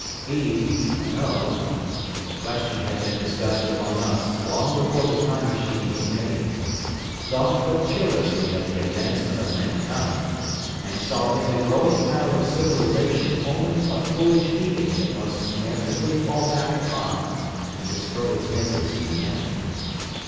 He, I know—for the question had been discussed among us long before the Time Machine was made—thought but cheerlessly of the Advancement of Mankind, and saw in the growing pile of civilisation only a foolish heaping that must inevitably fall back upon and destroy its makers in the end.